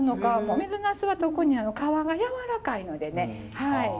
水ナスは特に皮がやわらかいのでね。